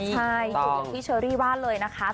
ใช่สุดอย่างที่เชอรี่ว่าเลยนะคะ